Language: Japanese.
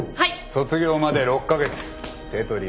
卒業まで６カ月手取り